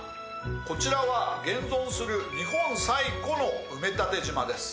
こちらは現存する日本最古の埋め立て島です。